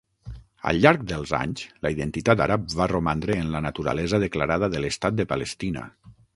Al llarg dels anys, la identitat àrab va romandre en la naturalesa declarada de l'Estat de Palestina.